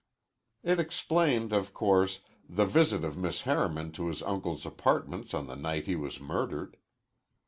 It explained, of course, the visit of Miss Harriman to his uncle's apartments on the night he was murdered.